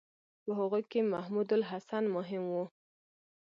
په هغوی کې محمودالحسن مهم و.